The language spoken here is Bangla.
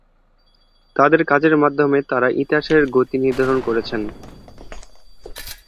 তাদের কাজের মাধ্যমে তারা ইতিহাসের গতি নির্ধারণ করেছেন।